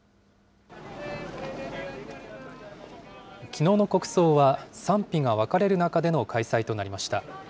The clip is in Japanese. きのうの国葬は、賛否が分かれる中での開催となりました。